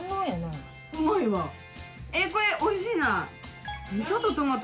これおいしいな。